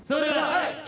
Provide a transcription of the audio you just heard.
はい。